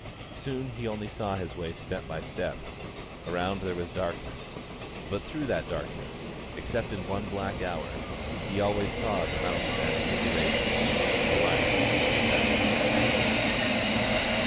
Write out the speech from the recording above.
Soon he only saw his way step by step, around there was darkness; but through that darkness, except in one black hour, he always saw the mount of transfiguration and the light of heaven.